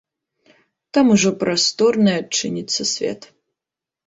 Там ужо прасторны адчыніцца свет.